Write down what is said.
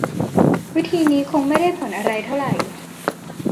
วิธีนี้คงไม่ได้ผลอะไรเท่าไหร่